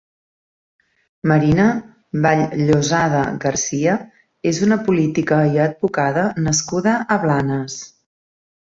Marina Vall-llosada Garcia és una política i advocada nascuda a Blanes.